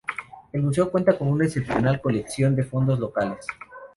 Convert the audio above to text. El museo cuenta con una excepcional colección de fondos locales.